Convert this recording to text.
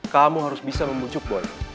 kamu harus bisa membunjuk boy